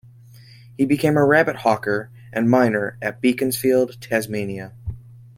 He became a rabbit-hawker and miner at Beaconsfield, Tasmania.